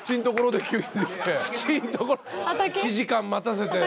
１時間待たせて。